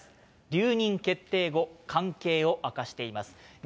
留任決定後、関係を明かしています。